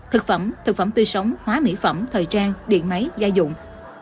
thực phẩm thực phẩm tươi sống hóa mỹ phẩm thời trang điện máy gia dụng